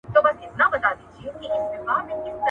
د مطالعې فرهنګ غني کول د هر افغان هیله ده.